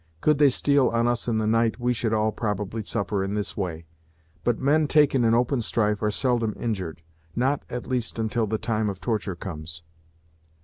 Could they steal on us in the night, we should all probably suffer in this way; but men taken in open strife are seldom injured; not, at least, until the time of torture comes."